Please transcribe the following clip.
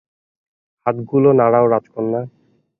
হাতগুলো নাড়াও, রাজকন্যা।